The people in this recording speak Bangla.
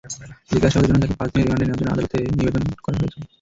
জিজ্ঞাসাবাদের জন্য তাঁকে পাঁচ দিনের রিমান্ডে নেওয়ার জন্য আদালতে আবেদন করা হয়েছে।